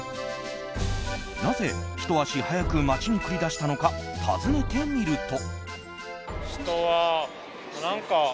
なぜひと足早く街に繰り出したのか尋ねてみると。